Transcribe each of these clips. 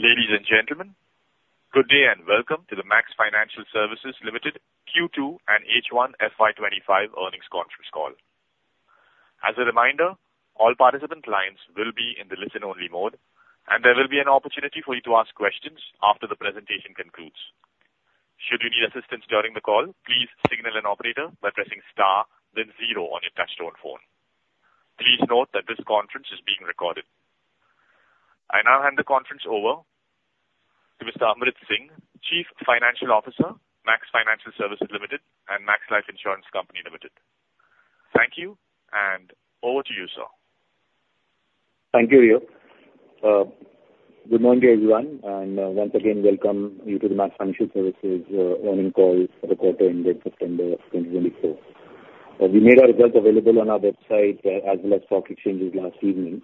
Ladies and gentlemen, good day and welcome to the Max Financial Services Limited Q2 and H1 FY 2025 earnings conference call. As a reminder, all participant lines will be in the listen-only mode, and there will be an opportunity for you to ask questions after the presentation concludes. Should you need assistance during the call, please signal an operator by pressing star, then zero on your touchtone phone. Please note that this conference is being recorded. I now hand the conference over to Mr. Amrit Singh, Chief Financial Officer, Max Financial Services Limited and Max Life Insurance Company Limited. Thank you, and over to you, sir. Thank you, Leo. Good morning, everyone, and once again, welcome you to the Max Financial Services earnings call for the quarter ended September of twenty twenty-four. We made our results available on our website as well as stock exchanges last evening.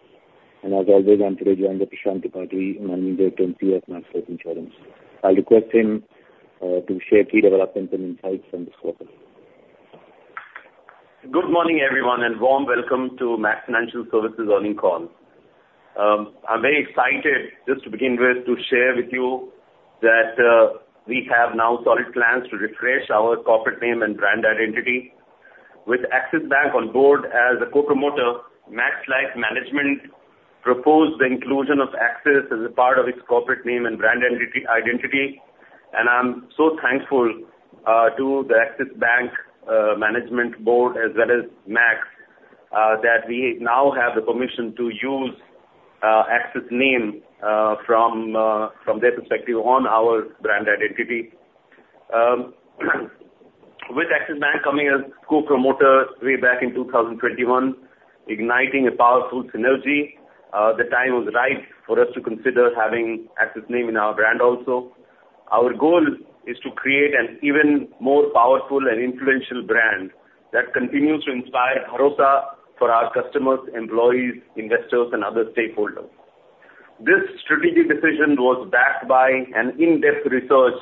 And as always, I'm today joined by Prashant Tripathy, Managing Director and CEO of Max Life Insurance. I'll request him to share key developments and insights from this quarter. Good morning, everyone, and warm welcome to Max Financial Services earnings call. I'm very excited, just to begin with, to share with you that we have now solid plans to refresh our corporate name and brand identity. With Axis Bank on board as a co-promoter, Max Life management proposed the inclusion of Axis as a part of its corporate name and brand identity, and I'm so thankful to the Axis Bank management board as well as Max that we now have the permission to use Axis name from their perspective on our brand identity. With Axis Bank coming as co-promoter way back in two thousand twenty-one, igniting a powerful synergy, the time was right for us to consider having Axis name in our brand also. Our goal is to create an even more powerful and influential brand that continues to inspire Bharosa for our customers, employees, investors and other stakeholders. This strategic decision was backed by an in-depth research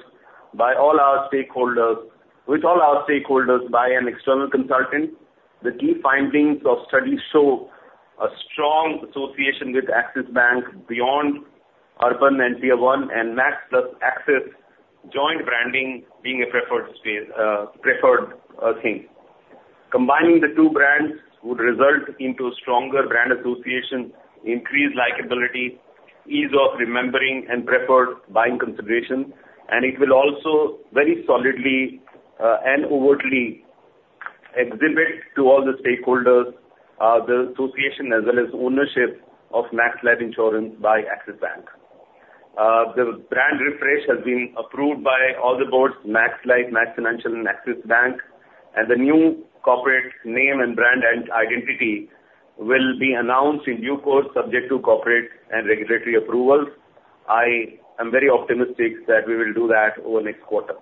with all our stakeholders by an external consultant. The key findings of study show a strong association with Axis Bank beyond urban and tier one, and Max plus Axis joint branding being a preferred thing. Combining the two brands would result into stronger brand association, increased likability, ease of remembering and preferred buying consideration, and it will also very solidly and overtly exhibit to all the stakeholders the association as well as ownership of Max Life Insurance by Axis Bank. The brand refresh has been approved by all the boards, Max Life, Max Financial, and Axis Bank, and the new corporate name and brand and identity will be announced in due course, subject to corporate and regulatory approvals. I am very optimistic that we will do that over next quarter.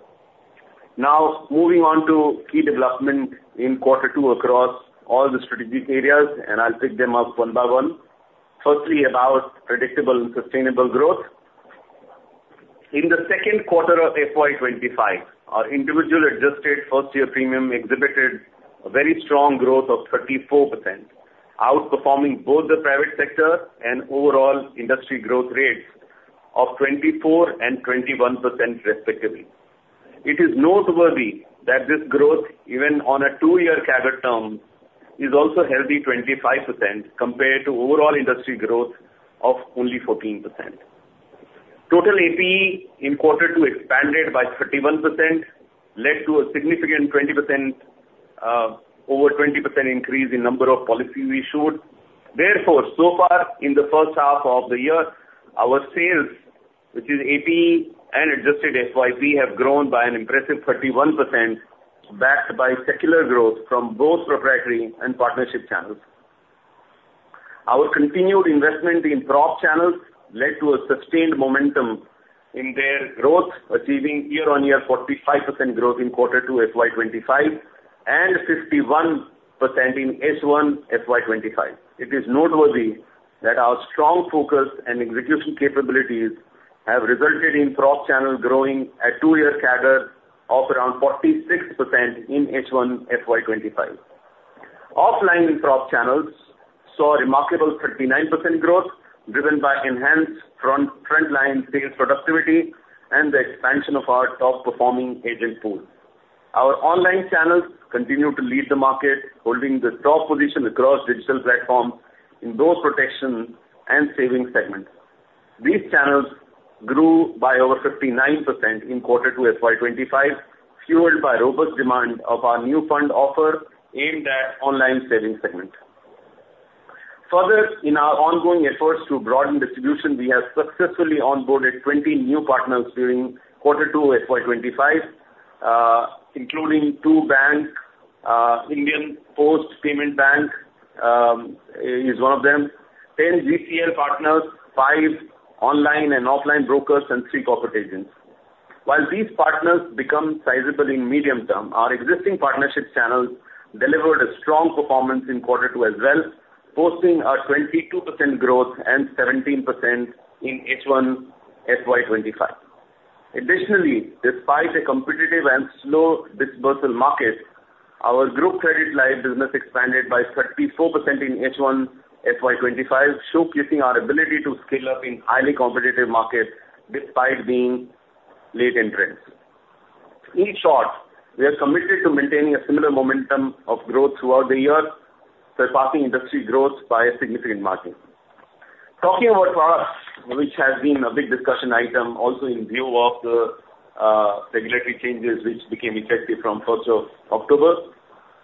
Now, moving on to key development in quarter two across all the strategic areas, and I'll pick them up one by one. Firstly, about predictable and sustainable growth. In the second quarter of FY twenty-five, our individual adjusted first-year premium exhibited a very strong growth of 34%, outperforming both the private sector and overall industry growth rates of 24% and 21%, respectively. It is noteworthy that this growth, even on a two-year CAGR term, is also a healthy 25% compared to overall industry growth of only 14%. Total APE in quarter two expanded by 31%, led to a significant 20%, over 20% increase in number of policies we issued. Therefore, so far in the first half of the year, our sales, which is APE and adjusted FYP, have grown by an impressive 31%, backed by secular growth from both proprietary and partnership channels. Our continued investment in prop channels led to a sustained momentum in their growth, achieving year-on-year 45% growth in quarter two FY 2025, and 51% in H1 FY 2025. It is noteworthy that our strong focus and execution capabilities have resulted in prop channel growing at two-year CAGR of around 46% in H1 FY 2025. Offline prop channels saw a remarkable 39% growth, driven by enhanced front, frontline sales productivity and the expansion of our top-performing agent pool. Our online channels continue to lead the market, holding the top position across digital platforms in both protection and savings segments. These channels grew by over 59% in quarter two FY twenty-five, fueled by robust demand of our new fund offer in that online savings segment. Further, in our ongoing efforts to broaden distribution, we have successfully onboarded twenty new partners during quarter two FY twenty-five, including two banks. India Post Payments Bank is one of them, ten GCL partners, five online and offline brokers, and three corporate agents. While these partners become sizable in medium term, our existing partnership channels delivered a strong performance in quarter two as well, posting a 22% growth and 17% in H1 FY twenty-five. Additionally, despite a competitive and slow disbursement market, our group credit life business expanded by 34% in H1 FY twenty-five, showcasing our ability to scale up in highly competitive markets despite being late entrants. In short, we are committed to maintaining a similar momentum of growth throughout the year, surpassing industry growth by a significant margin. Talking about products, which has been a big discussion item also in view of the regulatory changes which became effective from first of October,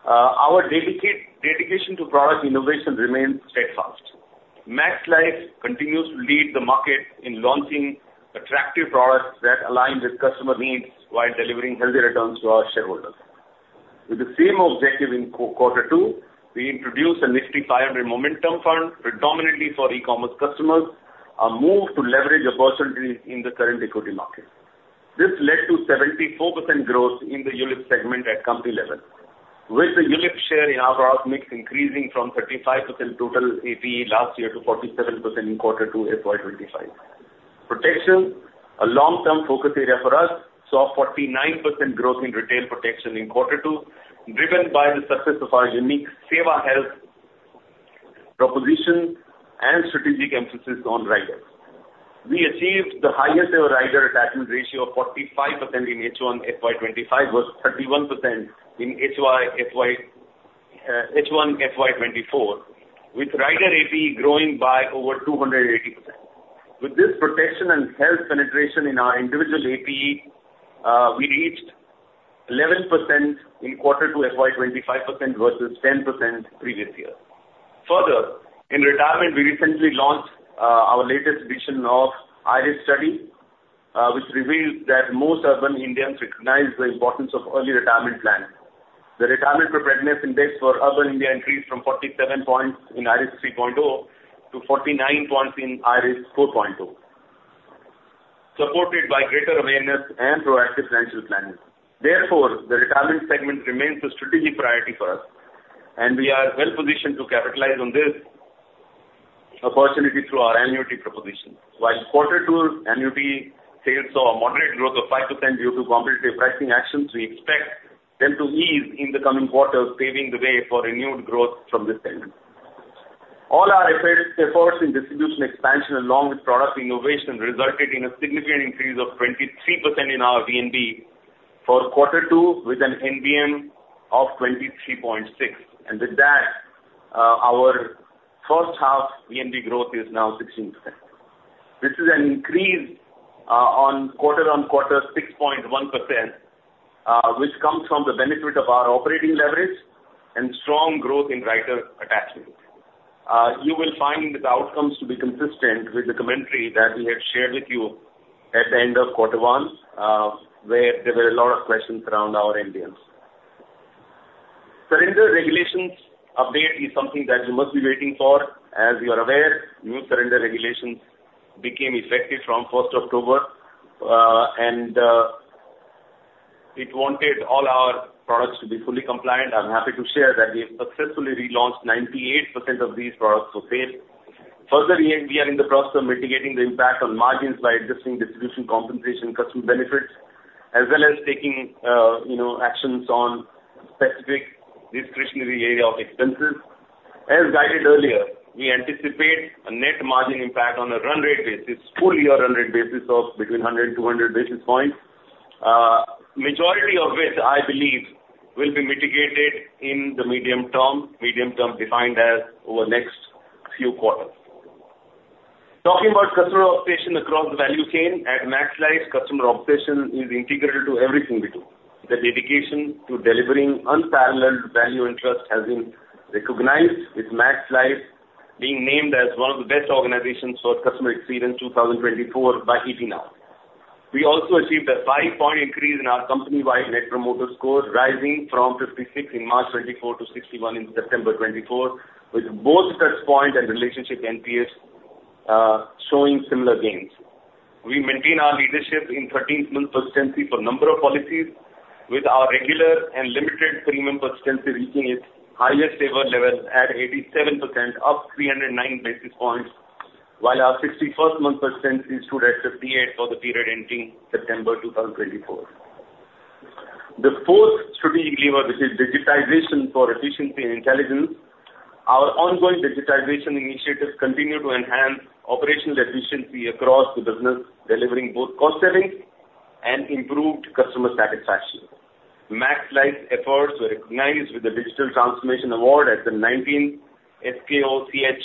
our dedication to product innovation remains steadfast. Max Life continues to lead the market in launching attractive products that align with customer needs while delivering healthy returns to our shareholders. With the same objective in quarter two, we introduced a Nifty 500 Momentum Fund, predominantly for e-commerce customers, a move to leverage opportunities in the current equity market. This led to 74% growth in the ULIP segment at company level, with the ULIP share in our products mix increasing from 35% total APE last year to 47% in quarter two FY 2025. Protection, a long-term focus area for us, saw 49% growth in retail protection in quarter two, driven by the success of our unique SEWA Health proposition and strategic emphasis on riders. We achieved the highest ever rider attachment ratio of 45% in H1 FY 2025, was 31% in H1 FY 2024, with rider APE growing by over 280%. With this protection and health penetration in our individual APE, we reached 11% in quarter two FY 2025 versus 10% previous year. Further, in retirement, we recently launched our latest edition of IRIS study, which revealed that most urban Indians recognize the importance of early retirement planning. The retirement preparedness index for urban India increased from 47 points in IRIS 3.0, to 49 points in IRIS 4.0, supported by greater awareness and proactive financial planning. Therefore, the retirement segment remains a strategic priority for us, and we are well positioned to capitalize on this opportunity through our annuity proposition. While in quarter two, annuity sales saw a moderate growth of 5% due to competitive pricing actions, we expect them to ease in the coming quarters, paving the way for renewed growth from this segment. All our efforts in distribution expansion, along with product innovation, resulted in a significant increase of 23% in our VNB for quarter two, with an NBM of 23.6. And with that, our first half VNB growth is now 16%. This is an increase on quarter-on-quarter 6.1%, which comes from the benefit of our operating leverage and strong growth in rider attachment. You will find the outcomes to be consistent with the commentary that we had shared with you at the end of quarter one, where there were a lot of questions around our NBMs. Surrender regulations update is something that you must be waiting for. As you are aware, new surrender regulations became effective from first October, and it wanted all our products to be fully compliant. I'm happy to share that we have successfully relaunched 98% of these products to date. Further, we are in the process of mitigating the impact on margins by adjusting distribution compensation, customer benefits, as well as taking, you know, actions on specific discretionary area of expenses. As guided earlier, we anticipate a net margin impact on a run rate basis, full year run rate basis of between 100 and 200 basis points, majority of which, I believe, will be mitigated in the medium term. Medium term defined as over the next few quarters. Talking about customer obsession across the value chain, at Max Life, customer obsession is integrated to everything we do. The dedication to delivering unparalleled value and trust has been recognized, with Max Life being named as one of the Best Organizations for Customer Experience 2024 by ET Now. We also achieved a 5-point increase in our company-wide Net Promoter Score, rising from 56 in March 2024 to 61 in September 2024, with both touchpoint and relationship NPS showing similar gains. We maintain our leadership in 13th-month persistency for number of policies, with our regular and limited premium persistency reaching its highest ever level at 87%, up 309 basis points, while our 61st-month persistency stood at 58 for the period ending September 2024. The fourth strategic lever, this is digitization for efficiency and intelligence. Our ongoing digitization initiatives continue to enhance operational efficiency across the business, delivering both cost savings and improved customer satisfaction. Max Life's efforts were recognized with the Digital Transformation Award at the 19th SKOCH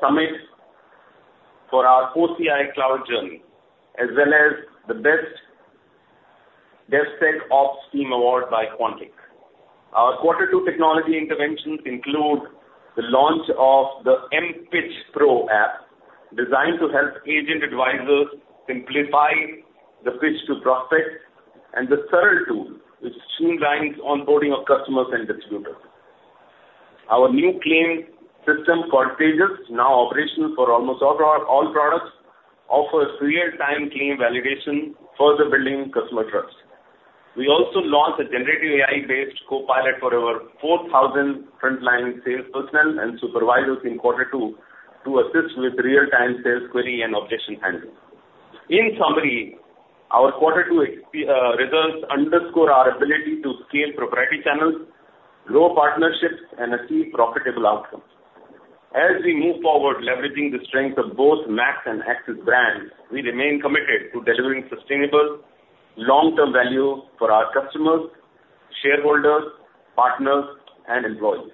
Summit for our OCI cloud journey, as well as the Best Desktop Ops Team Award by Quantic. Our quarter two technology interventions include the launch of the mPitch Pro app, designed to help agent advisors simplify the pitch to prospects, and the THIRL tool, which streamlines onboarding of customers and distributors. Our new claim system called Pega, now operational for almost all products, offers real-time claim validation, further building customer trust. We also launched a generative AI-based Copilot for over 4,000 frontline sales personnel and supervisors in quarter two to assist with real-time sales query and objection handling. In summary, our quarter two results underscore our ability to scale proprietary channels, grow partnerships, and achieve profitable outcomes. As we move forward, leveraging the strength of both Max and Axis brands, we remain committed to delivering sustainable long-term value for our customers, shareholders, partners, and employees.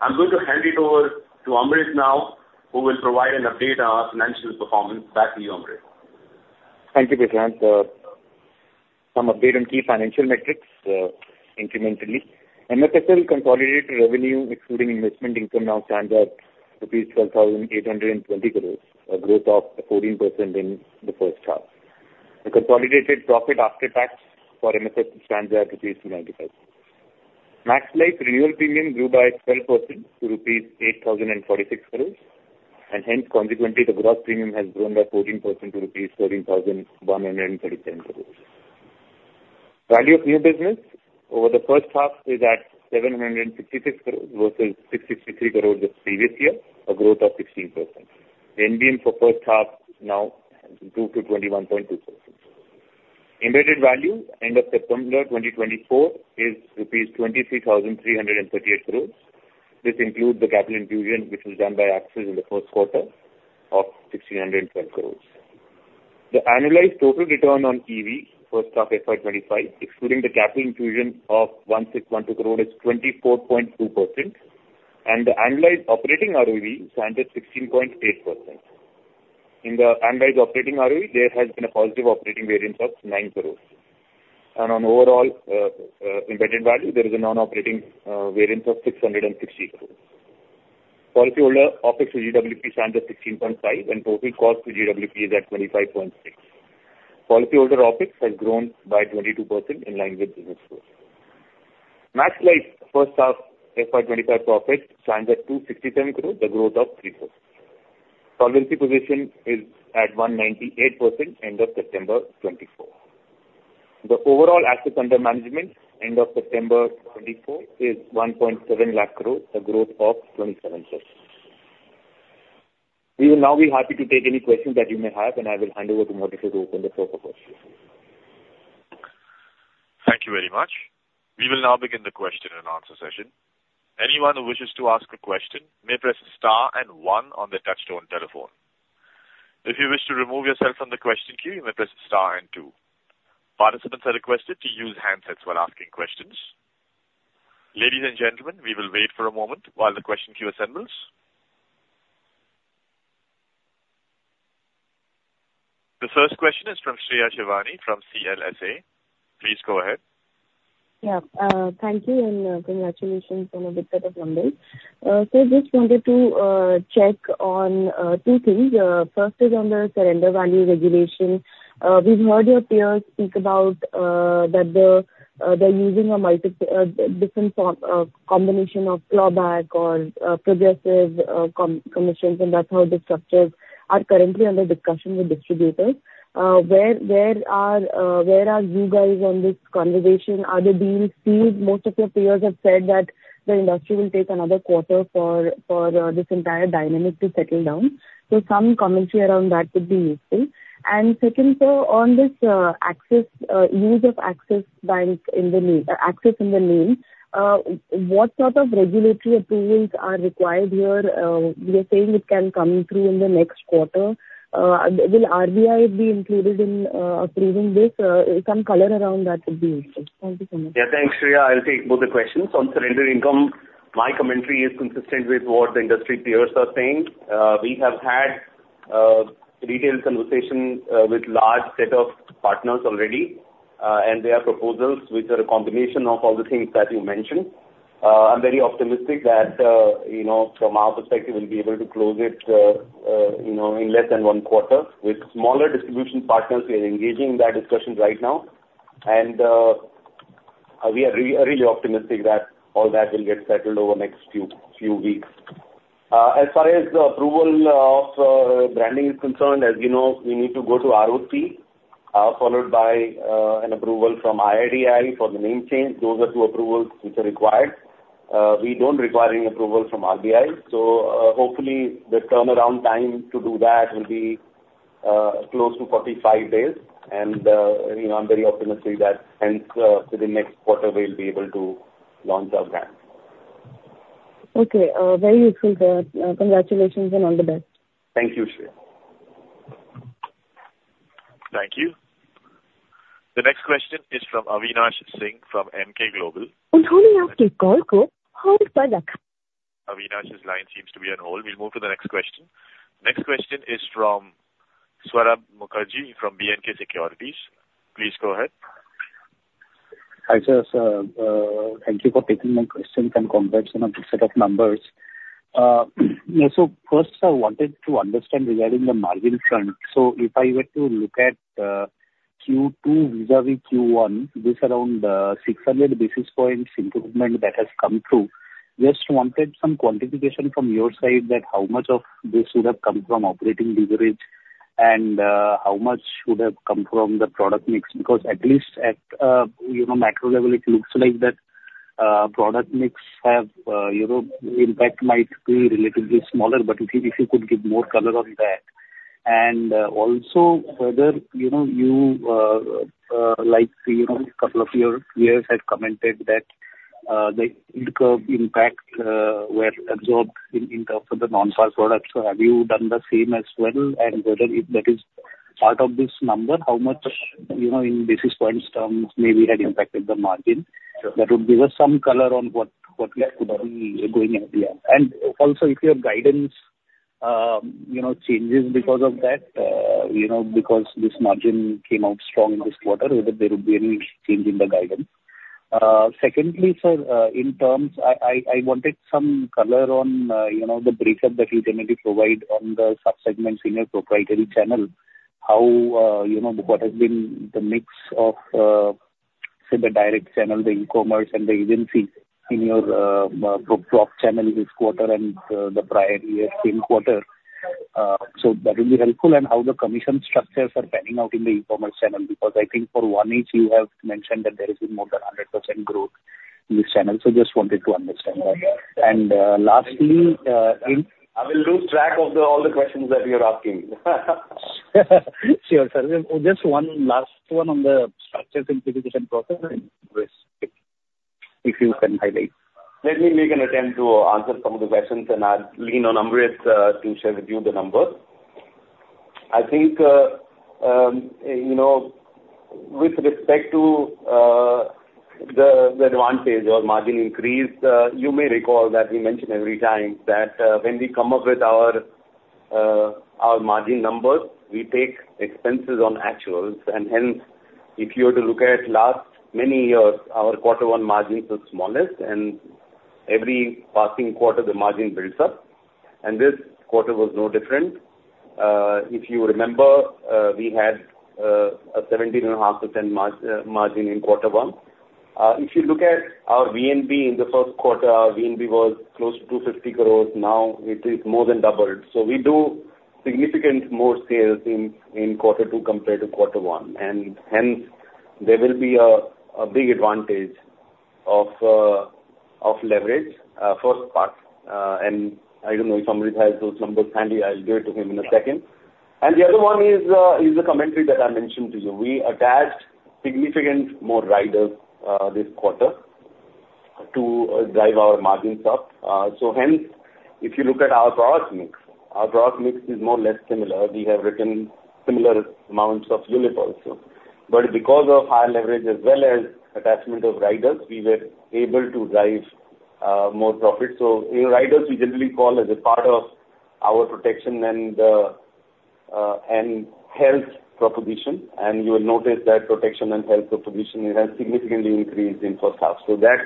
I'm going to hand it over to Amrit now, who will provide an update on our financial performance. Back to you, Amrit. Thank you, Prashant. Some update on key financial metrics, incrementally. MFSL consolidated revenue, excluding investment income, now stands at rupees 12,820 crores, a growth of 14% in the first half. The consolidated profit after tax for MFSL stands at INR 295 crores. Max Life retail premium grew by 12% to rupees 8,046 crores, and hence consequently, the gross premium has grown by 14% to rupees 14,137 crores. Value of new business over the first half is at 766 crores versus 663 crores the previous year, a growth of 16%. The NBM for first half now has improved to 21.26%. Embedded value end of September 2024 is rupees 23,338 crores. This includes the capital infusion, which was done by Axis in the first quarter of 1,612 crore. The annualized total return on EV first half FY 2025, excluding the capital infusion of 1,612 crore, is 24.2%, and the annualized operating ROE stands at 16.8%. In the annualized operating ROE, there has been a positive operating variance of 9 crore. On overall embedded value, there is a non-operating variance of 660 crore. Policyholder OpEx to GWP stands at 16.5, and total cost to GWP is at 25.6. Policyholder OpEx has grown by 22% in line with business growth. Max Life first half FY 2025 profit stands at INR 267 crore, a growth of 3%. Solvency position is at 198% end of September 2024. The overall assets under management, end of September 2024, is 1.7 lakh crore, a growth of 27%. We will now be happy to take any questions that you may have, and I will hand over to moderator to open the floor for questions. Thank you very much. We will now begin the question and answer session. Anyone who wishes to ask a question may press star and one on their touchtone telephone. If you wish to remove yourself from the question queue, you may press star and two. Participants are requested to use handsets while asking questions. Ladies and gentlemen, we will wait for a moment while the question queue assembles. The first question is from Shreya Shivani from CLSA. Please go ahead. Yeah. Thank you, and congratulations on a good set of numbers. So just wanted to check on two things. First is on the surrender value regulation. We've heard your peers speak about that they're using a multi different form combination of clawback or progressive commissions, and that's how the structures are currently under discussion with distributors. Where are you guys on this conversation? Are they being seen? Most of your peers have said that the industry will take another quarter for this entire dynamic to settle down. Some commentary around that would be useful. And second, sir, on this Axis use of Axis Bank in the name, Axis in the name, what sort of regulatory approvals are required here? You are saying it can come through in the next quarter. Will RBI be included in approving this? Some color around that would be useful. Thank you so much. Yeah, thanks, Shreya. I'll take both the questions. On surrender income, my commentary is consistent with what the industry peers are saying. We have had detailed conversations with large set of partners already, and their proposals, which are a combination of all the things that you mentioned. I'm very optimistic that, you know, from our perspective, we'll be able to close it, you know, in less than one quarter. With smaller distribution partners, we are engaging in that discussion right now, and we are really optimistic that all that will get settled over the next few weeks. As far as the approval of branding is concerned, as you know, we need to go to ROC, followed by an approval from IRDAI for the name change. Those are two approvals which are required. We don't require any approval from RBI, so, hopefully the turnaround time to do that will be close to 45 days. And, you know, I'm very optimistic that hence to the next quarter, we'll be able to launch our brand. Okay, very useful, sir. Congratulations, and all the best. Thank you, Shreya. Thank you. The next question is from Avinash Singh from Emkay Global. Avinash's line seems to be on hold. We'll move to the next question. Next question is from Swaraj Mukherjee from B&K Securities. Please go ahead. Hi, sir. Thank you for taking my questions and congrats on a good set of numbers. Yeah, so first I wanted to understand regarding the margin front. So if I were to look at Q2 vis-à-vis Q1, this around 600 basis points improvement that has come through-... just wanted some quantification from your side that how much of this would have come from operating leverage and how much should have come from the product mix? Because at least at you know macro level, it looks like that product mix have you know impact might be relatively smaller, but if you could give more color on that. And also whether you know you like you know a couple of your peers have commented that the yield curve impact were absorbed in in terms of the non-par products. So have you done the same as well? And whether if that is part of this number, how much you know in basis points terms maybe had impacted the margin? That would give us some color on what we are going to be going ahead. And also, if your guidance changes because of that, you know, because this margin came out strong this quarter, whether there would be any change in the guidance. Secondly, sir, in terms I wanted some color on, you know, the breakup that you can maybe provide on the sub-segments in your proprietary channel. How, you know, what has been the mix of, say, the direct channel, the e-commerce, and the agency in your proprietary channel this quarter and the prior year same quarter. So that will be helpful. And how the commission structures are panning out in the e-commerce channel, because I think for one each, you have mentioned that there has been more than 100% growth in this channel. So just wanted to understand that. And lastly, in- I will lose track of all the questions that you're asking. Sure, sir. Just one last one on the structures simplification process, if you can highlight. Let me make an attempt to answer some of the questions, and I'll lean on Amrit to share with you the numbers. I think, you know, with respect to the advantage or margin increase, you may recall that we mention every time that when we come up with our margin numbers, we take expenses on actuals, and hence, if you were to look at last many years, our quarter one margins are smallest, and every passing quarter, the margin builds up, and this quarter was no different. If you remember, we had a 17.5% margin in quarter one. If you look at our VNB in the first quarter, our VNB was close to 250 crore. Now it is more than doubled. So we do significant more sales in quarter two compared to quarter one, and hence, there will be a big advantage of leverage first part. And I don't know if Amrit has those numbers handy. I'll give it to him in a second. And the other one is a commentary that I mentioned to you. We attached significant more riders this quarter to drive our margins up. So hence, if you look at our product mix, our product mix is more or less similar. We have written similar amounts of unit also. But because of higher leverage as well as attachment of riders, we were able to drive more profit. So in riders, we generally call as a part of our protection and health proposition. And you will notice that protection and health proposition has significantly increased in first half. So that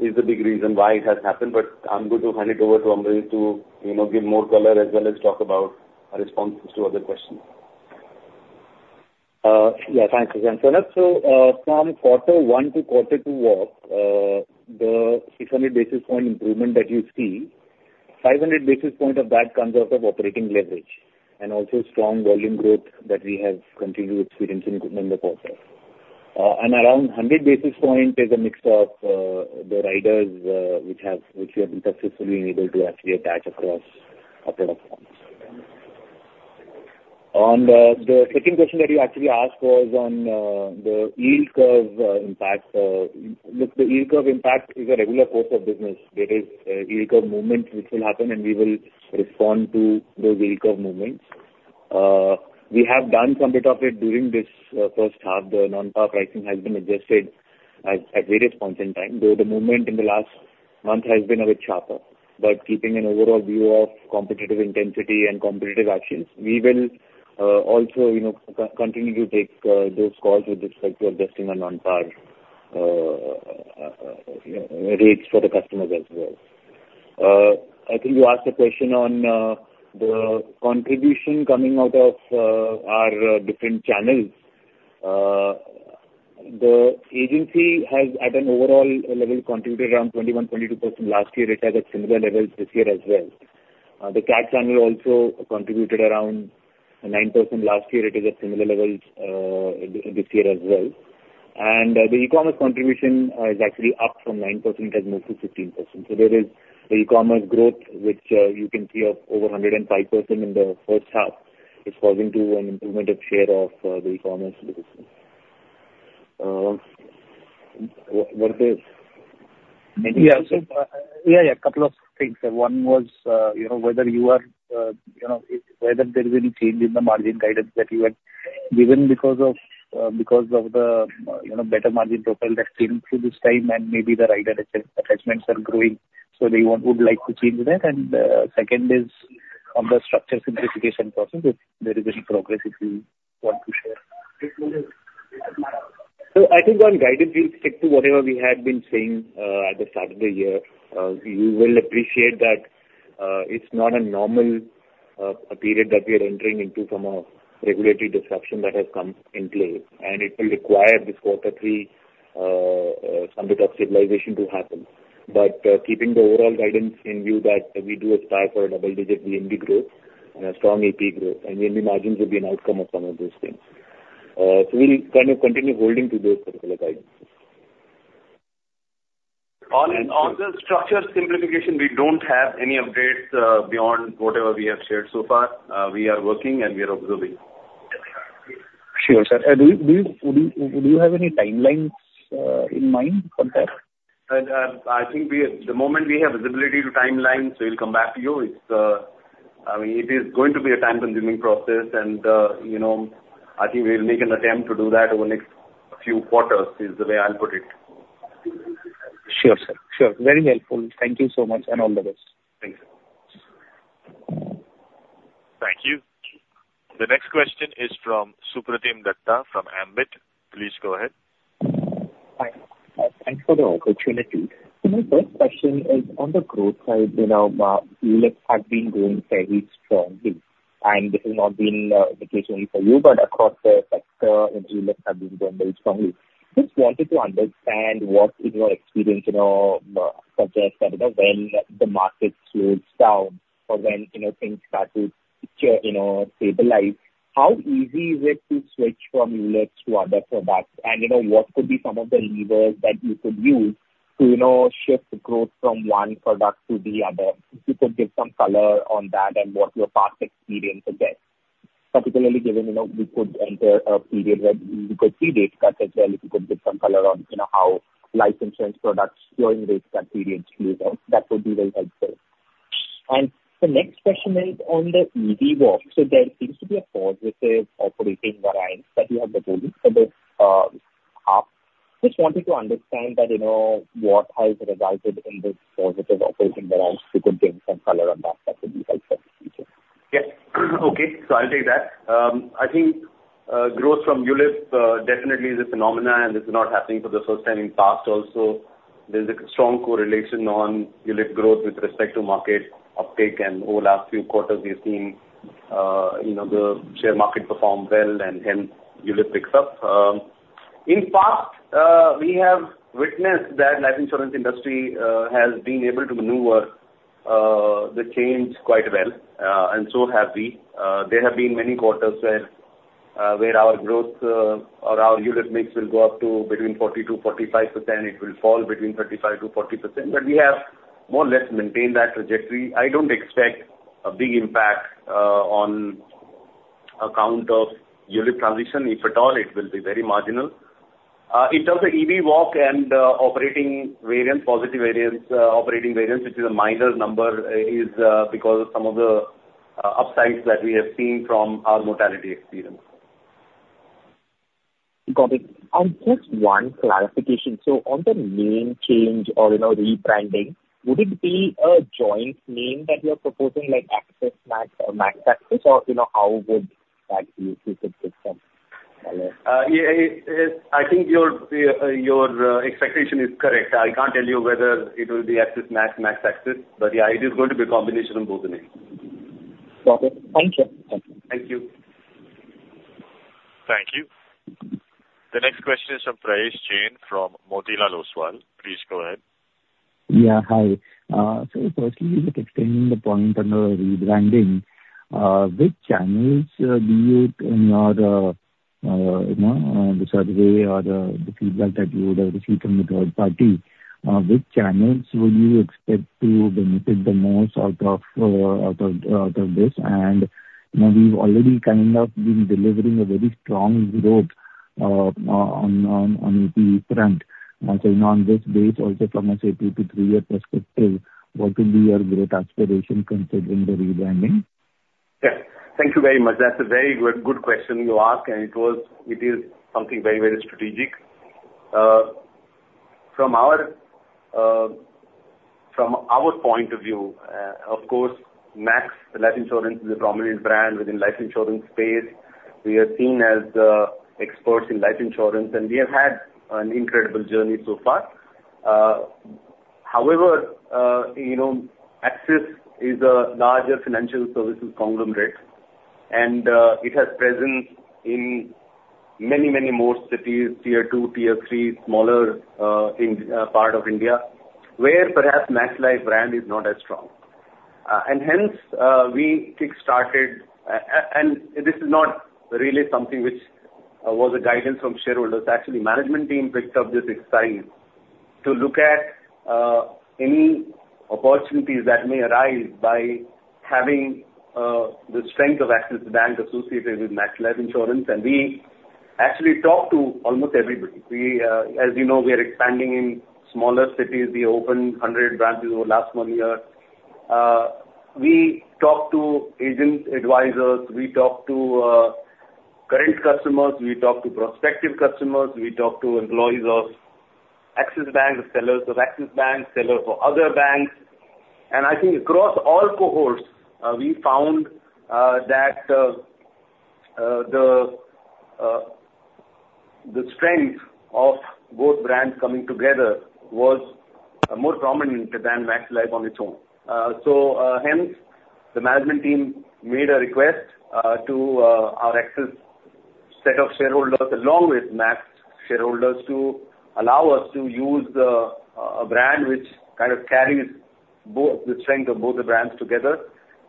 is the big reason why it has happened. But I'm going to hand it over to Amrit to, you know, give more color, as well as talk about responses to other questions. Yeah, thanks, Sumit. So, from quarter one to quarter two, the 600 basis point improvement that you see, 500 basis point of that comes out of operating leverage and also strong volume growth that we have continued experiencing in the quarter. And around 100 basis point is a mix of, the riders, which we have been successfully able to actually attach across our product lines. On the second question that you actually asked was on, the yield curve impact. Look, the yield curve impact is a regular course of business. There is a yield curve movement which will happen, and we will respond to those yield curve movements. We have done some bit of it during this first half. The non-par pricing has been adjusted at various points in time, though the movement in the last month has been a bit sharper, but keeping an overall view of competitive intensity and competitive actions, we will also, you know, continue to take those calls with respect to adjusting the non-par rates for the customers as well. I think you asked a question on the contribution coming out of our different channels. The agency has, at an overall level, contributed around 21-22% last year. It has at similar levels this year as well. The CAB channel also contributed around 9% last year. It is at similar levels this year as well, and the e-commerce contribution is actually up from 9%, it has moved to 15%. So there is the e-commerce growth, which you can see of over 105% in the first half is causing to an improvement of share of the e-commerce business. What else? Yeah. Yeah, yeah, a couple of things. One was, you know, whether you are, you know, whether there is any change in the margin guidance that you had given because of, because of the, you know, better margin profile that came through this time, and maybe the rider attachments are growing. So they would like to change that. And, second is on the structure simplification process, if there is any progress, if you want to share. So I think on guidance, we'll stick to whatever we had been saying at the start of the year. You will appreciate that-... it's not a normal period that we are entering into from a regulatory disruption that has come into play, and it will require this quarter three some sort of stabilization to happen. But keeping the overall guidance in view that we do aspire for a double-digit VNB growth and a strong APE growth, and VNB margins will be an outcome of some of those things. So we'll kind of continue holding to those particular guidances. On the structure simplification, we don't have any updates beyond whatever we have shared so far. We are working and we are observing. Sure, sir. And do you have any timelines in mind for that? I think the moment we have visibility to timelines, we'll come back to you. It's, I mean, it is going to be a time-consuming process, and, you know, I think we'll make an attempt to do that over the next few quarters, is the way I'll put it. Sure, sir. Sure. Very helpful. Thank you so much, and all the best. Thanks. Thank you. The next question is from Supratim Datta from Ambit. Please go ahead. Hi. Thanks for the opportunity. So my first question is on the growth side, you know, ULIP has been growing very strongly, and this has not been the case only for you, but across the sector, and ULIP has been growing very strongly. Just wanted to understand, what is your experience, you know, suggest that, you know, when the market slows down or when, you know, things start to, you know, stabilize, how easy is it to switch from ULIP to other products? And, you know, what could be some of the levers that you could use to, you know, shift growth from one product to the other? If you could give some color on that and what your past experience is there. Particularly given, you know, we could enter a period where we could see rate cut as well, if you could give some color on, you know, how life insurance products during rate cut periods move on, that would be very helpful, and the next question is on the EV WoC, so there seems to be a positive operating variance that you have been holding for this half. Just wanted to understand that, you know, what has resulted in this positive operating variance. You could give some color on that, that would be helpful for us. Yes. Okay, so I'll take that. I think growth from ULIP definitely is a phenomenon, and this is not happening for the first time. In past also, there's a strong correlation on ULIP growth with respect to market uptake, and over the last few quarters we have seen, you know, the share market perform well and then ULIP picks up. In past, we have witnessed that life insurance industry has been able to maneuver the change quite well, and so have we. There have been many quarters where our growth or our ULIP mix will go up to between 40%-45%, it will fall between 35%-40%, but we have more or less maintained that trajectory. I don't expect a big impact on account of ULIP transition. If at all, it will be very marginal. In terms of EVWOC and operating variance, positive variance, operating variance, which is a minor number, is because of some of the upsides that we have seen from our mortality experience. Got it. And just one clarification: so on the name change or, you know, rebranding, would it be a joint name that you're proposing, like Axis Max or Max Axis, or, you know, how would that be? If you could give some color. Yeah, I think your expectation is correct. I can't tell you whether it will be Axis Max, Max Axis, but yeah, it is going to be a combination of both the names. Got it. Thank you. Thank you. Thank you. The next question is from Prayesh Jain from Motilal Oswal. Please go ahead. Yeah, hi. So firstly, just extending the point on the rebranding, which channels do you, in your, you know, the survey or the feedback that you would have received from the third party, which channels would you expect to benefit the most out of this? And, you know, we've already kind of been delivering a very strong growth on AP front. So, you know, on this base, also from a two to three-year perspective, what will be your growth aspiration considering the rebranding? Yes. Thank you very much. That's a very good, good question you ask, and it is something very, very strategic. From our point of view, of course, Max Life Insurance is a prominent brand within life insurance space. We are seen as experts in life insurance, and we have had an incredible journey so far. However, you know, Axis is a larger financial services conglomerate, and it has presence in many, many more cities, tier two, tier three, smaller in part of India, where perhaps Max Life brand is not as strong. And hence, we kickstarted and this is not really something which was a guidance from shareholders. Actually, management team picked up this exercise to look at any opportunities that may arise by having the strength of Axis Bank associated with Max Life Insurance, and we actually talked to almost everybody. We, as you know, we are expanding in smaller cities. We opened hundred branches over last one year. We talked to agents, advisors, we talked to current customers, we talked to prospective customers, we talked to employees of Axis Bank, sellers of Axis Bank, sellers for other banks, and I think across all cohorts, we found that the strength of both brands coming together was more prominent than Max Life on its own. So, hence, the management team made a request to our Axis set of shareholders, along with Max shareholders, to allow us to use the brand, which kind of carries both the strength of both the brands together,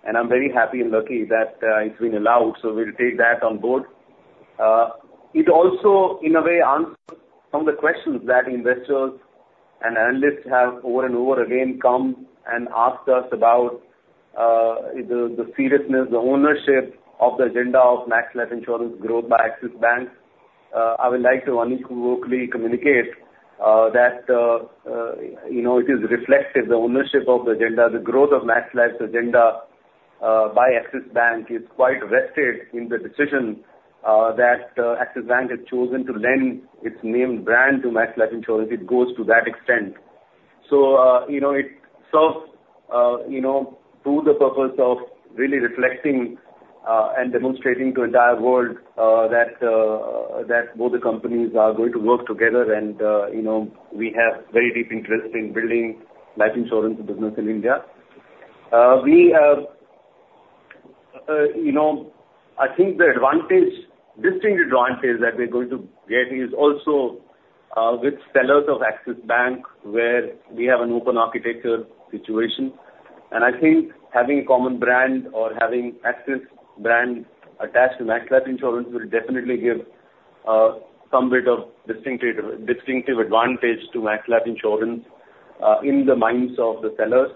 and I'm very happy and lucky that it's been allowed, so we'll take that on board. It also, in a way, answers some of the questions that investors and analysts have over and over again come and asked us about the seriousness, the ownership of the agenda of Max Life Insurance growth by Axis Bank. I would like to unequivocally communicate that, you know, it is reflective, the ownership of the agenda, the growth of Max Life's agenda by Axis Bank is quite vested in the decision that Axis Bank has chosen to lend its name brand to Max Life Insurance. It goes to that extent. So, you know, it serves, you know, to the purpose of really reflecting and demonstrating to the entire world that both the companies are going to work together and, you know, we have very deep interest in building life insurance business in India. We have, you know, I think the advantage, distinct advantage that we're going to get is also with sellers of Axis Bank, where we have an open architecture situation. I think having a common brand or having Axis brand attached to Max Life Insurance will definitely give some bit of distinctive advantage to Max Life Insurance in the minds of the sellers.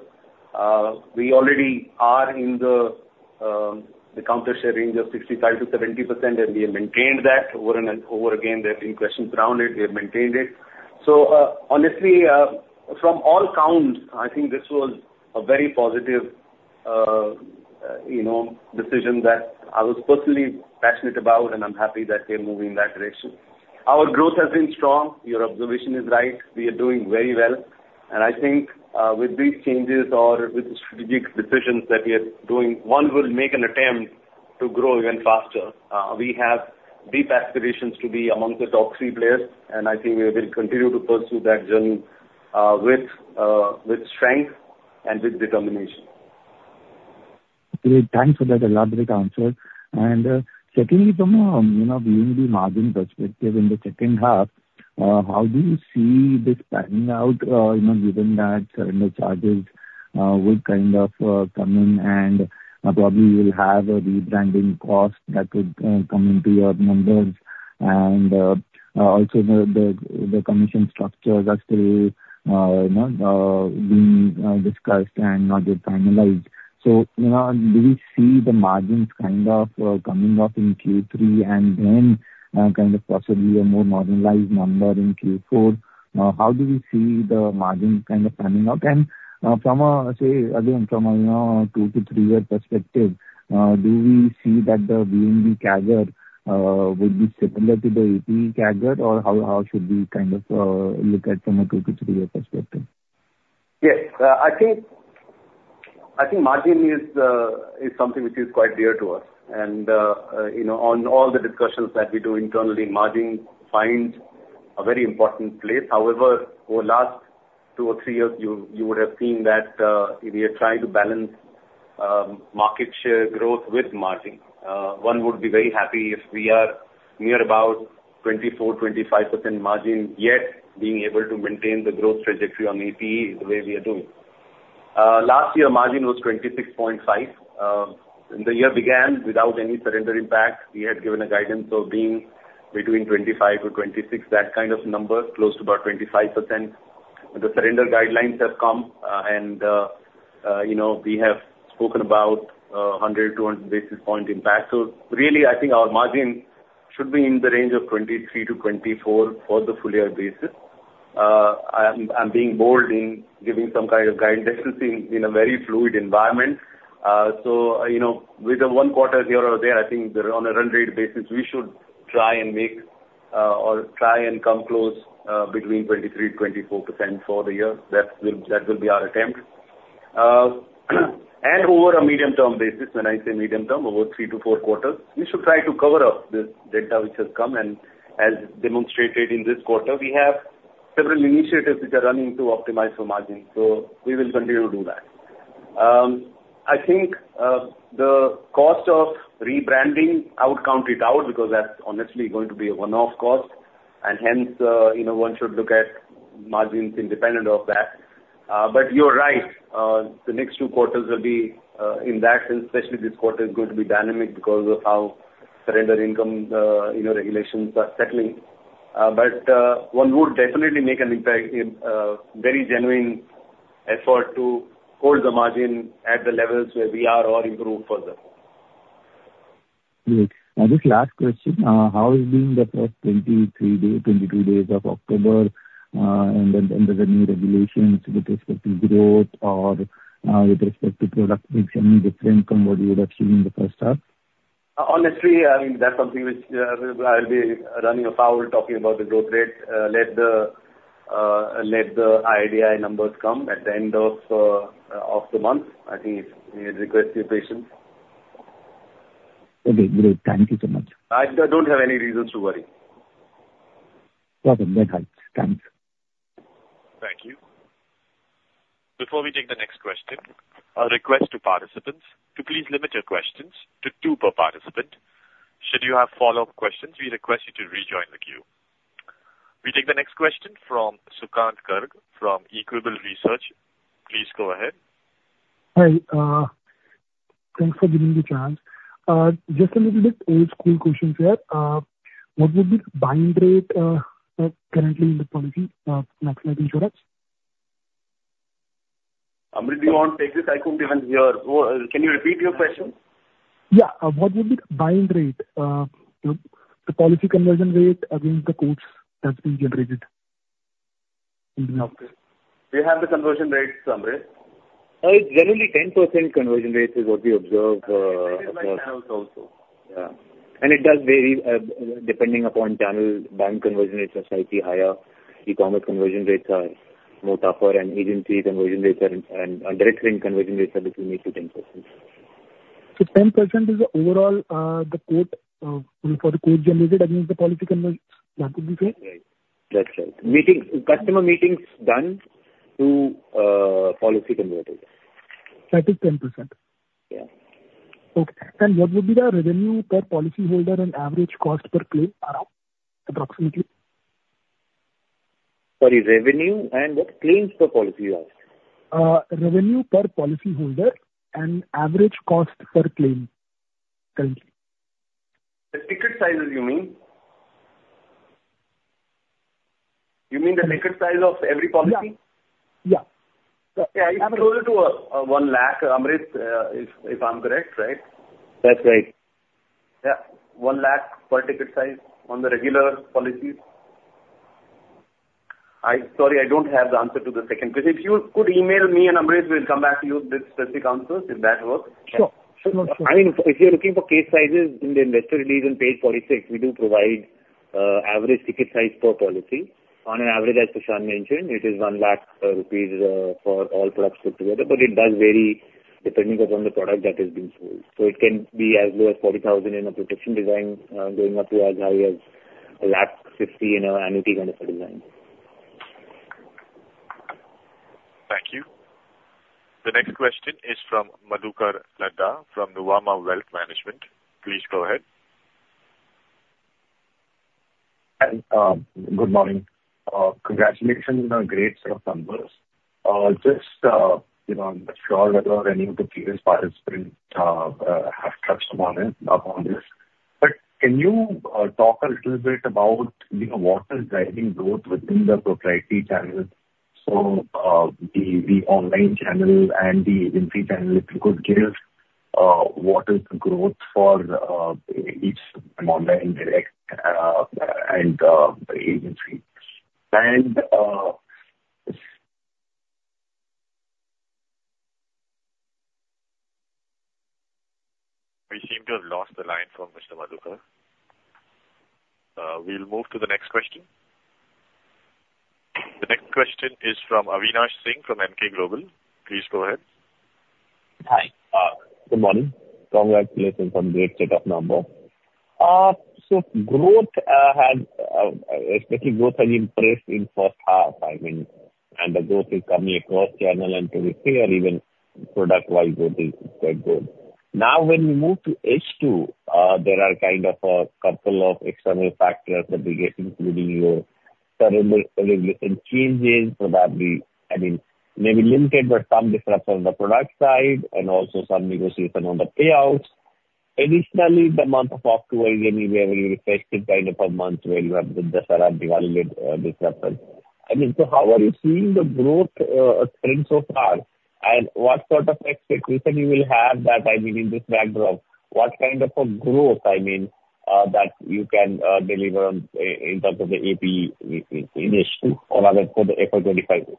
We already are in the market share range of 65%-70%, and we have maintained that over and over again. There have been questions around it. We have maintained it. So, honestly, from all counts, I think this was a very positive, you know, decision that I was personally passionate about, and I'm happy that we're moving in that direction. Our growth has been strong. Your observation is right. We are doing very well, and I think with these changes or with the strategic decisions that we are doing, one will make an attempt to grow even faster. We have deep aspirations to be among the top three players, and I think we will continue to pursue that journey, with strength and with determination. Great. Thanks for that elaborate answer. And, secondly, from a, you know, viewing the margin perspective in the second half, how do you see this panning out, you know, given that, you know, charges, will kind of, come in and probably will have a rebranding cost that could, come into your numbers? And, also the commission structures are still, you know, being, discussed and not yet finalized. So, you know, do we see the margins kind of, coming off in Q3 and then, kind of possibly a more normalized number in Q4? How do we see the margins kind of panning out? From a, you know, two to three-year perspective, do we see that the VNB CAGR would be similar to the APE CAGR, or how should we kind of look at from a two to three-year perspective? Yes. I think margin is something which is quite dear to us, and you know, on all the discussions that we do internally, margin finds a very important place. However, over last two or three years, you would have seen that we are trying to balance market share growth with margin. One would be very happy if we are near about 24%-25% margin, yet being able to maintain the growth trajectory on APE the way we are doing. Last year, margin was 26.5%. The year began without any surrender impact. We had given a guidance of being between 25 to 26, that kind of number, close to about 25%. The surrender guidelines have come, and you know, we have spoken about 100-200 basis point impact. So really, I think our margin should be in the range of 23-24% for the full year basis. I'm being bold in giving some kind of guidance. This is in a very fluid environment. So, you know, with the one quarter here or there, I think there on a run rate basis, we should try and make, or try and come close, between 23-24% for the year. That will be our attempt. And over a medium-term basis, when I say medium term, over three to four quarters, we should try to cover up this data which has come, and as demonstrated in this quarter, we have several initiatives which are running to optimize for margin. So we will continue to do that. I think, the cost of rebranding, I would count it out, because that's honestly going to be a one-off cost, and hence, you know, one should look at margins independent of that. But you're right, the next two quarters will be, in that sense, especially this quarter, is going to be dynamic because of how surrender income, you know, regulations are settling. But, one would definitely make an impact in, very genuine effort to hold the margin at the levels where we are or improve further. Great. Just last question, how is doing the first twenty-three day, twenty-two days of October, and then under the new regulations with respect to growth or, with respect to product mix, any different from what you would have seen in the first half? Honestly, I mean, that's something which I'll be running afoul talking about the growth rate. Let the IDI numbers come at the end of the month. I think it requires your patience.... Okay, great. Thank you so much. I don't have any reasons to worry. Okay, that helps. Thanks. Thank you. Before we take the next question, a request to participants to please limit your questions to two per participant. Should you have follow-up questions, we request you to rejoin the queue. We take the next question from Sukant Garg from Equirus Securities. Please go ahead. Hi, thanks for giving me the chance. Just a little bit old school question here. What was the bind rate currently in the policy, Max Life Insurance? Amrit, do you want to take this? I think even your... Can you repeat your question? Yeah. What was the bind rate? The policy conversion rate against the quotes that's been generated. Mm-hmm. Okay. Do you have the conversion rate, Amrit? It's generally 10% conversion rate is what we observe across- It varies by channels also. Yeah. And it does vary, depending upon channel. Bank conversion rates are slightly higher, e-commerce conversion rates are more tougher, and agency conversion rates are, and direct link conversion rates are between eight to 10%. 10% is the overall, the quote, for the quote generated against the policy conversion, that would be correct? Right. That's right. Meeting, customer meetings done to policy converted. That is 10%? Yeah. Okay. And what would be the revenue per policyholder and average cost per claim, around, approximately? Sorry, revenue and what claims per policy you ask? Revenue per policyholder and average cost per claim. Thank you. The ticket sizes, you mean? You mean the ticket size of every policy? Yeah. Yeah. Yeah, it's closer to one lakh, Amrit, if I'm correct, right? That's right. Yeah, one lakh per ticket size on the regular policies. I... Sorry, I don't have the answer to the second. But if you could email me and Amrit, we'll come back to you with specific answers, if that works? Sure. Sure, no problem. I mean, if you're looking for case sizes in the investor release on page 46, we do provide average ticket size per policy. On an average, as Prashant mentioned, it is 1 lakh rupees for all products put together. But it does vary depending upon the product that is being sold. So it can be as low as 40,000 in a protection design, going up to as high as 1.5 lakh in an annuity kind of a design. Thank you. The next question is from Madhukar Ladha from Nuvama Wealth Management. Please go ahead. Hi, good morning. Congratulations on a great set of numbers. Just, you know, I'm not sure whether any of the previous participants have touched upon it, on this. But can you talk a little bit about, you know, what is driving growth within the proprietary channels, so, the online channel and the agency channel? If you could give what is the growth for each online, direct, and the agency? And... We seem to have lost the line from Mr. Madhukar. We'll move to the next question. The next question is from Avinash Singh from Emkay Global Financial Services. Please go ahead. Hi, good morning. Congratulations on great set of number. So growth has been especially pressed in first half, I mean, and the growth is coming across channel and to be fair, even product-wide growth is quite good. Now, when we move to H2, there are kind of a couple of external factors that we get, including your surrender regulation changes, probably, I mean, maybe limited, but some disruption on the product side and also some negotiation on the payouts. Additionally, the month of October is anyway a very festive kind of a month, where you have the Diwali disruption. I mean, so how are you seeing the growth trend so far, and what sort of expectation you will have that, I mean, in this backdrop, what kind of a growth, I mean, that you can deliver on in terms of the APE in H2 or rather for the FY 2025?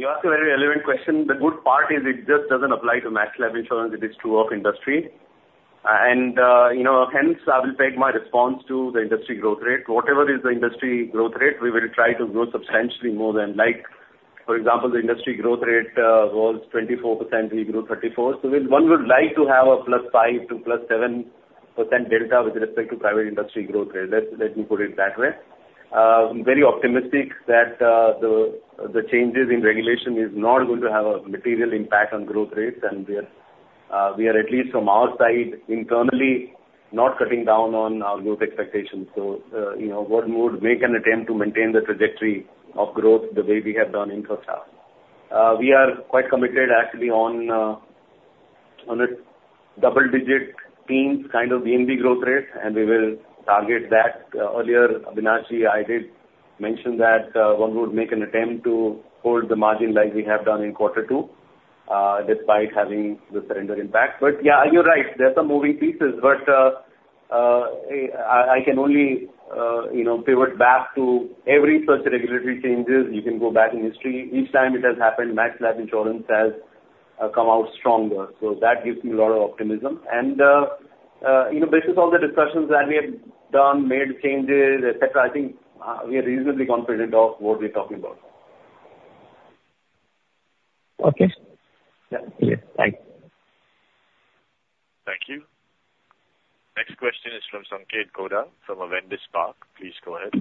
You ask a very relevant question. The good part is it just doesn't apply to Max Life Insurance, it is true of industry. You know, hence, I will peg my response to the industry growth rate. Whatever is the industry growth rate, we will try to grow substantially more than like, for example, the industry growth rate was 24%, we grew 34%. So one would like to have a plus 5% to plus 7% delta with respect to private industry growth rate. Let me put it that way. I'm very optimistic that the changes in regulation is not going to have a material impact on growth rates, and we are at least from our side, internally, not cutting down on our growth expectations. So, you know, one would make an attempt to maintain the trajectory of growth the way we have done in first half. We are quite committed actually on, on a double-digit teens kind of VNB growth rate, and we will target that. Earlier, Avinash, I did mention that, one would make an attempt to hold the margin like we have done in quarter two, despite having the surrender impact. But yeah, you're right, there's some moving pieces. But, I can only, you know, pivot back to every such regulatory changes, you can go back in history. Each time it has happened, Max Life Insurance has come out stronger. So that gives me a lot of optimism. And... You know, basis all the discussions that we have done, made changes, et cetera, I think, we are reasonably confident of what we're talking about. Okay. Yeah. Clear. Thank you. Thank you. Next question is from Sanket Godha, from Avendus Spark. Please go ahead.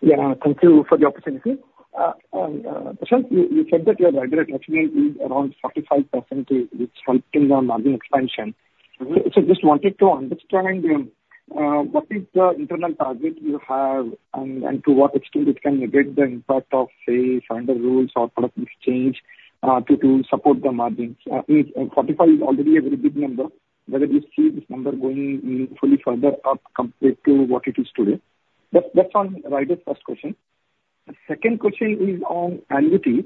Yeah, thank you for the opportunity. Prashant, you said that your rider attachment is around 45%, which helping the margin expansion. So just wanted to understand, what is the internal target you have, and to what extent it can mitigate the impact of, say, standard rules or product exchange, to support the margins? I mean, 45% is already a very good number, whether you see this number going fully further up compared to what it is today. That's on rider first question. The second question is on annuity.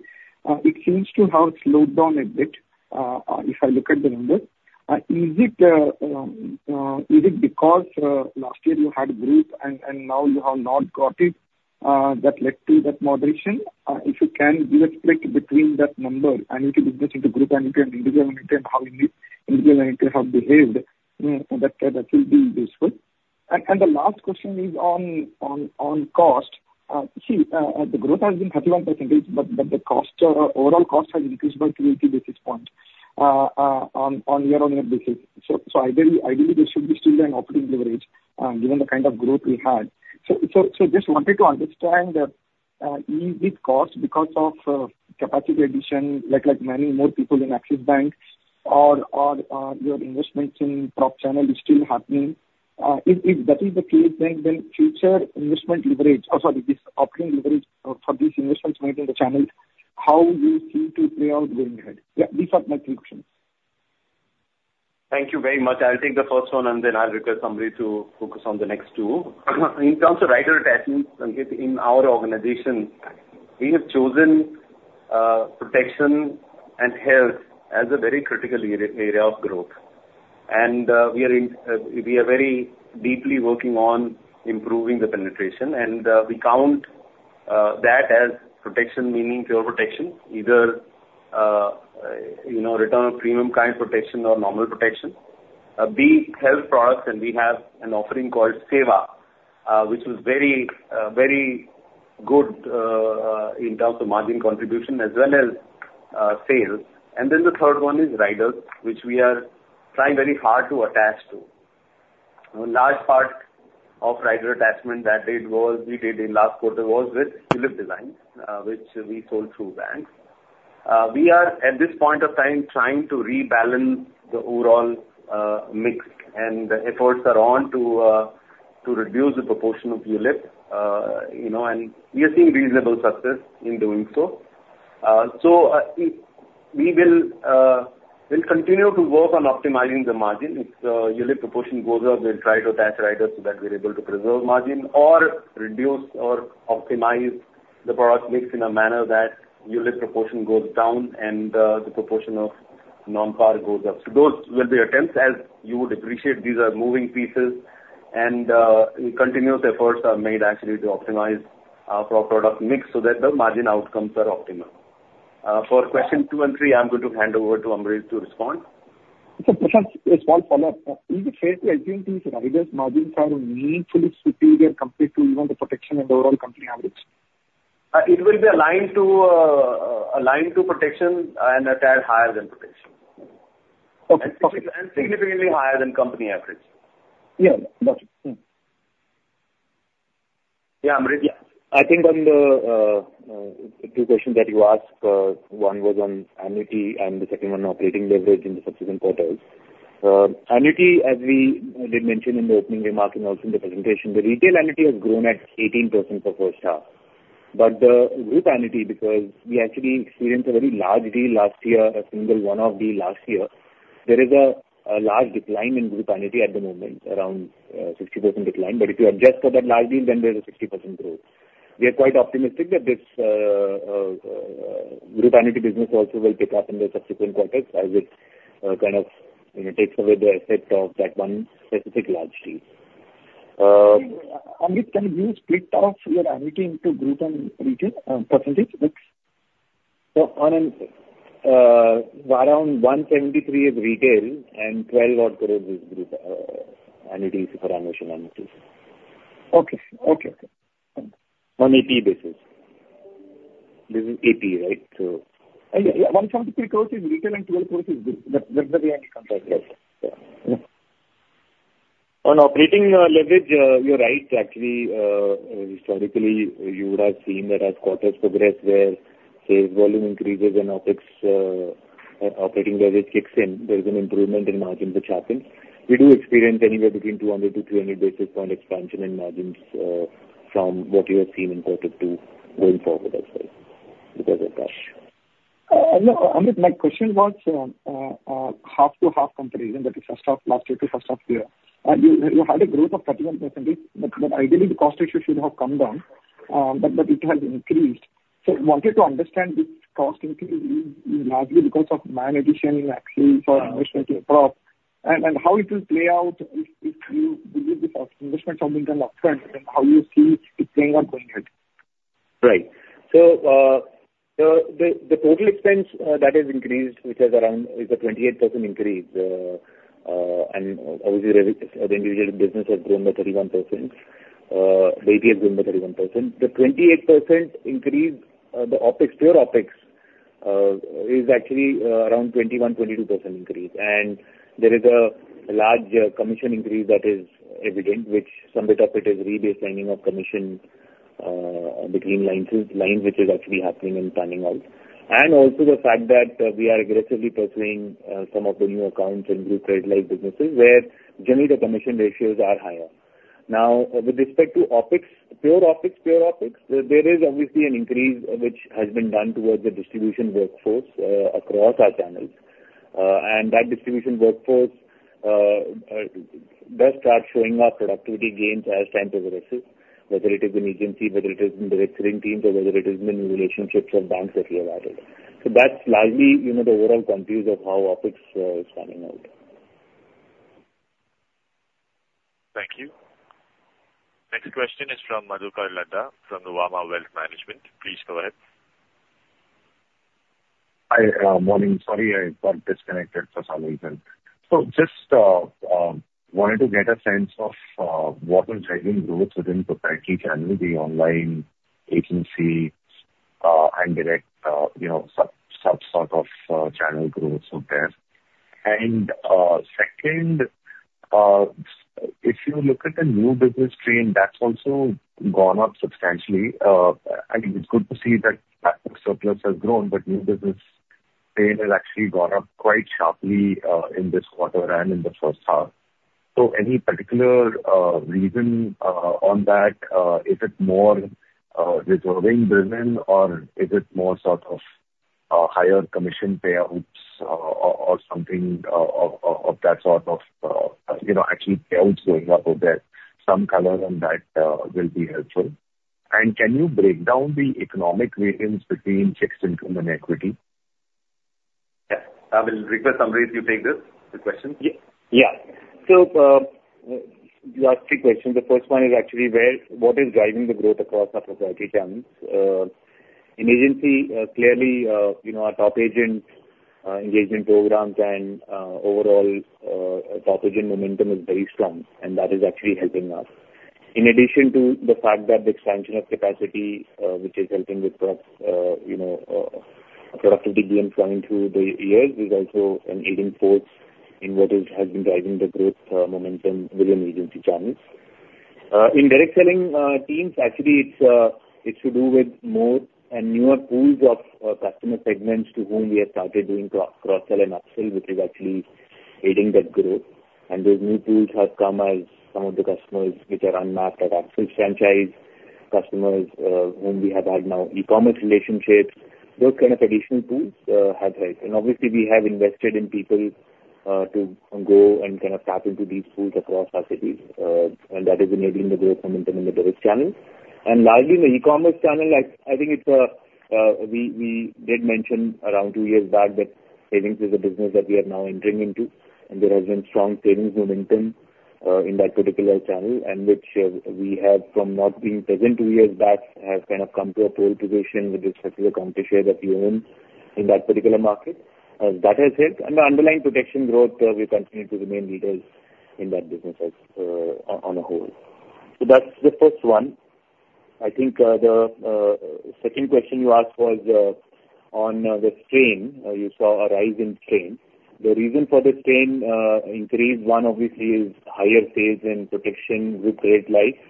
It seems to have slowed down a bit, if I look at the numbers. Is it because last year you had growth and now you have not got it, that led to that moderation? If you can differentiate between that number, annuity business into group annuity and individual annuity, and how individual annuity have behaved, that will be useful. And the last question is on cost. The growth has been 31%, but the costs are, overall costs have increased by three to four basis points, on year-on-year basis. Just wanted to understand, is it cost because of capacity addition, like many more people in Axis Bank or your investments in prop channel is still happening? If that is the case, then future investment leverage, or sorry, this operating leverage for these investments made in the channels, how you seem to play out going ahead? Yeah, these are my three questions. Thank you very much. I'll take the first one, and then I'll request Amit to focus on the next two. In terms of rider attachments, in our organization, we have chosen protection and health as a very critical area of growth. We are very deeply working on improving the penetration, and we count that as protection, meaning pure protection, either you know, return on premium kind of protection or normal protection. These health products and we have an offering called SEWA, which is very very good in terms of margin contribution as well as sales. The third one is riders, which we are trying very hard to attach to. A large part of rider attachment that they did was, we did in last quarter was with ULIP designs, which we sold through banks. We are, at this point of time, trying to rebalance the overall, mix, and the efforts are on to, to reduce the proportion of ULIP, you know, and we are seeing reasonable success in doing so. So, we will, we'll continue to work on optimizing the margin. If the ULIP proportion goes up, we'll try to attach riders so that we're able to preserve margin or reduce or optimize the product mix in a manner that ULIP proportion goes down and, the proportion of non-par goes up. So those will be attempts. As you would appreciate, these are moving pieces and, continuous efforts are made actually to optimize our product mix so that the margin outcomes are optimal. For question two and three, I'm going to hand over to Amrit to respond. So Prashant, a small follow-up. Is it fair to assume these riders margins are meaningfully superior compared to even the protection and overall company average? It will be aligned to protection and a tad higher than protection. Okay. Significantly higher than company average. Yeah. Got it. Mm. Yeah, Amit. Yeah. I think on the two questions that you asked, one was on annuity and the second one operating leverage in the subsequent quarters. Annuity, as we did mention in the opening remark and also in the presentation, the retail annuity has grown at 18% for first half. But the group annuity, because we actually experienced a very large deal last year, a single one-off deal last year, there is a large decline in group annuity at the moment, around 60% decline. But if you adjust for that large deal, then there's a 60% growth. We are quite optimistic that this group annuity business also will pick up in the subsequent quarters as it kind of, you know, takes away the effect of that one specific large deal. Amrit, can you split out your annuity into group and retail, percentage mix? Around 173 is retail and 12 odd crores is group annuity, superannuation annuities. Okay. Okay. On AP basis. This is AP, right? So... Yeah, yeah. 173 crore is retail and 12 crore is this. That, that's the way I understand. Yes. Yeah. On operating leverage, you're right. Actually, historically, you would have seen that as quarters progress, where sales volume increases and our fixed operating leverage kicks in, there is an improvement in margins which happens. We do experience anywhere between two hundred to three hundred basis point expansion in margins, from what you have seen in quarter to going forward as well, because of that. No, Amrit, my question was half to half comparison, that is first half last year to first half this year. You had a growth of 31%, but ideally the cost ratio should have come down, but it has increased. So wanted to understand if cost increase is largely because of man addition in Axis or investment in prop, and how it will play out if you deliver this investment something in the trend, and how you see it playing out going ahead? Right. So, the total expense that has increased, which is around 28% increase. And obviously, the individual business has grown by 31%. The AP has grown by 31%. The 28% increase, the OpEx, pure OpEx, is actually around 21-22% increase. And there is a large commission increase that is evident, which some bit of it is re-basing of commission between lines which is actually happening and panning out. And also the fact that we are aggressively pursuing some of the new accounts in group credit-life businesses, where generally the commission ratios are higher. Now, with respect to OpEx, pure OpEx, there is obviously an increase which has been done towards the distribution workforce across our channels. And that distribution workforce does start showing up productivity gains as time progresses, whether it is in agency, whether it is in direct selling teams or whether it is in relationships with banks that we have added. So that's largely, you know, the overall confluence of how OpEx is panning out. Thank you. Next question is from Madhukar Ladha, from Nuvama Wealth Management. Please go ahead. Hi, morning. Sorry, I got disconnected for some reason, so just wanted to get a sense of what is driving growth within the online channel, the online agency, and direct, you know, such sort of channel growth out there. Second, if you look at the new business strain, that's also gone up substantially, and it's good to see that surplus has grown, but new business strain has actually gone up quite sharply in this quarter and in the first half, so any particular reason on that? Is it more reserving business or is it more sort of higher commission payouts, or something of that sort of, you know, actually payouts going up out there? Some color on that will be helpful. Can you break down the economic variance between fixed income and equity? Yeah. I will request Sunny, if you take this, the question. Yeah. So, you asked three questions. The first one is actually where, what is driving the growth across our proprietary channels? In agency, clearly, you know, our top agents, engagement programs and, overall, top agent momentum is very strong, and that is actually helping us. In addition to the fact that the expansion of capacity, which is helping with processes, you know, productivity being flowing through the years, is also a leading force in what has been driving the growth, momentum within agency channels. In direct selling, teams, actually it's, it's to do with more and newer pools of, customer segments to whom we have started doing cross-sell and up-sell, which is actually aiding that growth. Those new pools have come as some of the customers which are untapped in our bancassurance franchise, whom we have had now e-commerce relationships. Those kind of additional pools have helped. And obviously, we have invested in people to go and kind of tap into these pools across our cities, and that is enabling the growth momentum in the direct channels. And largely, in the e-commerce channel, I think it's we did mention around two years back that savings is a business that we are now entering into, and there has been strong savings momentum in that particular channel, and which we have from not being present two years back, has kind of come to a pole position with the significant market share that we own in that particular market. That has helped. And the underlying protection growth, we continue to remain leaders in that business as on the whole. So that's the first one. I think the second question you asked was on the strain. You saw a rise in strain. The reason for the strain increase, one, obviously, is higher sales and protection with group life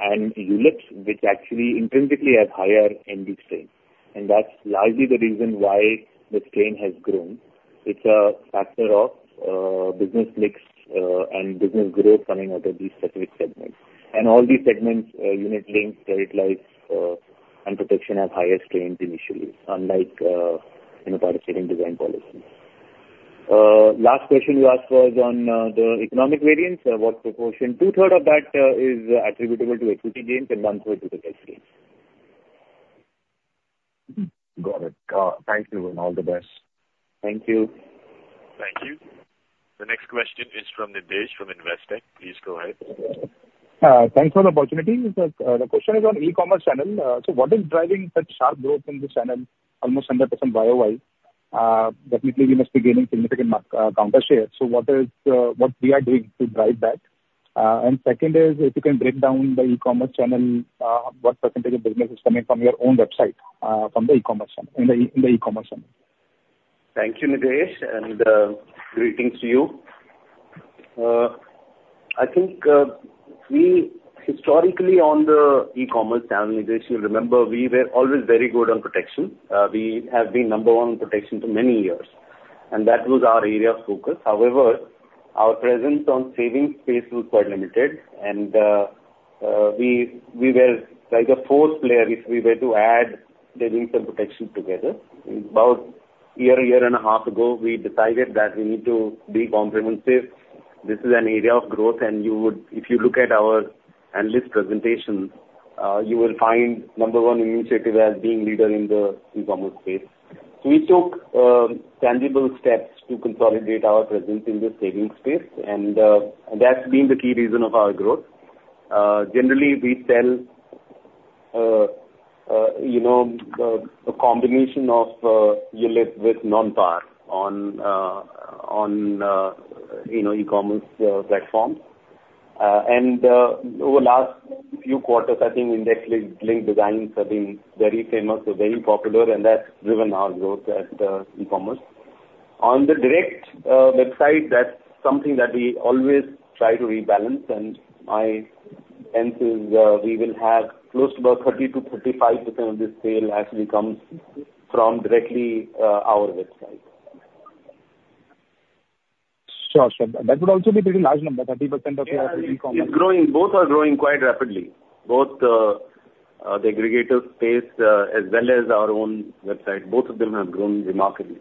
and ULIPs, which actually intrinsically has higher initial strain. And that's largely the reason why the strain has grown. It's a factor of business mix and business growth coming out of these specific segments. And all these segments, unit links, credit life, and protection have higher strains initially, unlike in a participating savings policy. Last question you asked was on the economic variance, what proportion? Two-thirds of that is attributable to equity gains and one-third to the tax gains. Got it. Thank you, and all the best. Thank you. Thank you. The next question is from Nidhesh, from Investec. Please go ahead. Thanks for the opportunity. The question is on e-commerce channel. So what is driving such sharp growth in this channel, almost 100% YOY? Definitely you must be gaining significant market share. So what we are doing to drive that? And second is, if you can break down the e-commerce channel, what percentage of business is coming from your own website, from the e-commerce, in the, in the e-commerce channel? Thank you, Nidhesh, and greetings to you. I think we historically on the e-commerce channel, Nidhesh, you'll remember we were always very good on protection. We have been number one in protection for many years, and that was our area of focus. However, our presence on savings space was quite limited, and we were like a fourth player, if we were to add the retail protection together. About a year, a year and a half ago, we decided that we need to be comprehensive. This is an area of growth, and you would... If you look at our analyst presentation, you will find number one initiative as being leader in the e-commerce space.... We took tangible steps to consolidate our presence in the savings space, and that's been the key reason of our growth. Generally, we sell you know a combination of ULIPs with non-par on you know e-commerce platforms. And over last few quarters, I think index-linked designs have been very famous or very popular, and that's driven our growth at e-commerce. On the direct website, that's something that we always try to rebalance, and my sense is we will have close to about 30-35% of the sale actually comes from directly our website. Sure, sure. That would also be pretty large number, 30% of your e-commerce. It's growing. Both are growing quite rapidly. Both, the aggregator space, as well as our own website, both of them have grown remarkably.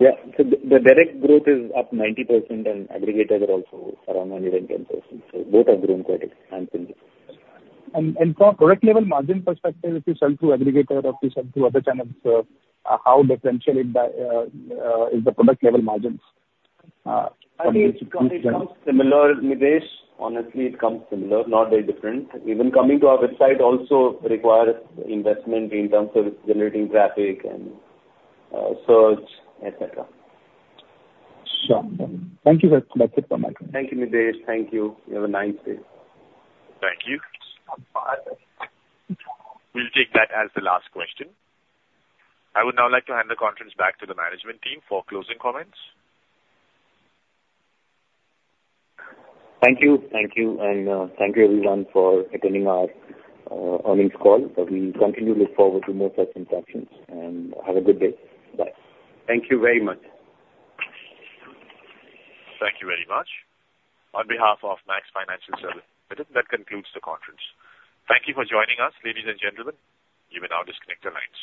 Yeah. So the direct growth is up 90% and aggregators are also around 9-10%, so both have grown quite substantially. From product level margin perspective, if you sell through aggregator or if you sell through other channels, how differently is the product level margins from each- I think it comes similar, Nidhesh. Honestly, it comes similar, not very different. Even coming to our website also requires investment in terms of generating traffic and, search, et cetera. Sure. Thank you, sir. That's it from my side. Thank you, Nidhesh. Thank you. You have a nice day. Thank you. We'll take that as the last question. I would now like to hand the conference back to the management team for closing comments. Thank you. Thank you, and thank you everyone for attending our earnings call. We continue to look forward to more such interactions, and have a good day. Bye. Thank you very much. Thank you very much. On behalf of Max Financial Services, that concludes the conference. Thank you for joining us, ladies and gentlemen. You may now disconnect the lines.